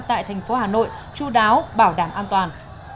tại tp hà nội chú đáo bảo đảm an toàn